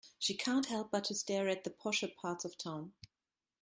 She can't help but to stare at the posher parts of town.